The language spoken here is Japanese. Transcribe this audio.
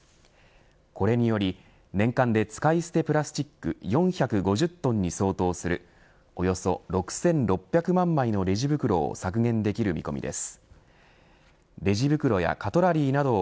これにより、年間で使い捨てプラスチック４５０トンに相当するおよそ６６００万枚のレジ袋をトヨタイムズの富川悠太です